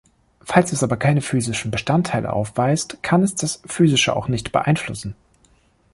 Falls es aber keine physischen Bestandteile aufweist, kann es das Physische auch nicht beeinflussen.